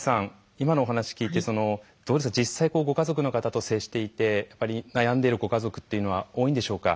今のお話聞いてどうですか実際ご家族の方と接していて悩んでいるご家族っていうのは多いんでしょうか？